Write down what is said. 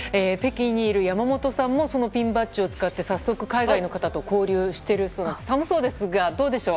北京にいる山本さんもそのピンバッジを使って早速海外の方と交流しているそうです。